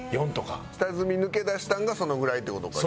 下積み抜け出したんがそのぐらいって事かじゃあ。